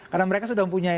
karena mereka sudah mempunyai